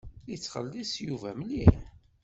Yettxelliṣ Yuba mliḥ.